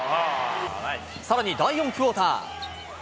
さらに第４クオーター。